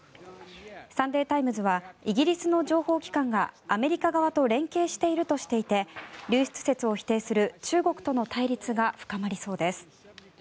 サンデー・タイムズはイギリスの情報機関がアメリカ側と連携しているとしていて流出説を否定する中国との対立が深まりそうです。